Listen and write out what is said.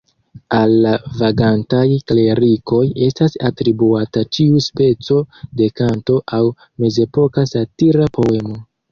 Al la "vagantaj klerikoj" estas atribuata ĉiu speco de kanto aŭ mezepoka satira poemo.